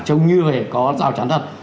trông như là có giao trán thật